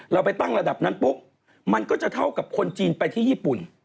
เราไปตั้งระดับนั้นปุ๊บมันก็จะเท่ากับคนจีนไปที่ญี่ปุ่น